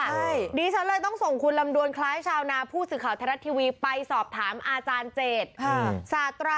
ใช่ดิฉันเลยต้องส่งคุณลำดวนคล้ายชาวนาผู้สื่อข่าวไทยรัฐทีวีไปสอบถามอาจารย์เจต